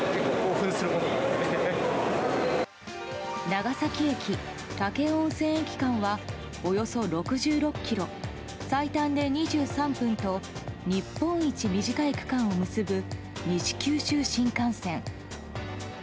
長崎駅武雄温泉駅間はおよそ６６ｋｍ最短で２３分と日本一短い区間を結ぶ西九州新幹線。